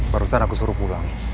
barusan aku suruh pulang